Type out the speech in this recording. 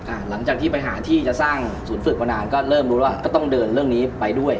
หลังจากที่ไปหาที่จะสร้างศูนย์ฝึกมานานก็เริ่มรู้แล้วก็ต้องเดินเรื่องนี้ไปด้วย